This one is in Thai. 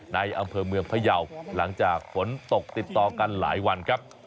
อำเภอเมืองพยาวหลังจากฝนตกติดต่อกันหลายวันครับ